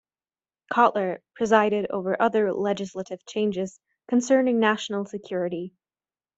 Cotler presided over other legislative changes concerning national security.